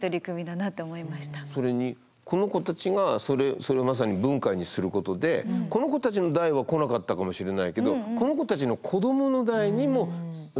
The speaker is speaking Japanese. それにこの子たちがそれをまさに文化にすることでこの子たちの代は来なかったかもしれないけどこの子たちの子供の代にも救いが来るってことですもんね。